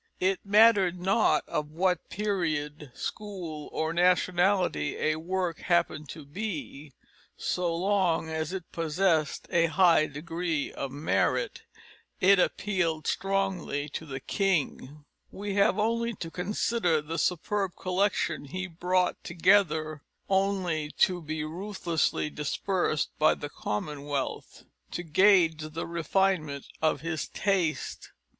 It mattered not of what period, school, or nationality a work happened to be, so long as it possessed a high degree of merit, it appealed strongly to the king. We have only to consider the superb collection he brought together, only to be ruthlessly dispersed by the Commonwealth, to gauge the refinement of his taste.